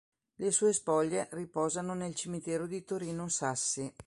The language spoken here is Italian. Le sue spoglie riposano nel cimitero di Torino-Sassi.